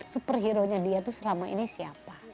super hero nya dia tuh selama ini siapa